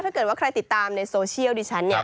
ถ้าเกิดว่าใครติดตามในโซเชียลดิฉันเนี่ย